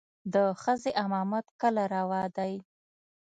د ښځې امامت کله روا دى.